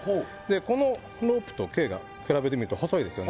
このロープを毛の太さを比べてみると細いですよね。